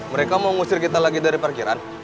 mereka mau ngusir kita lagi dari parkiran